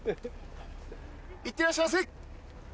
いってらっしゃいませ。